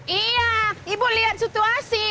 iya ibu lihat situasi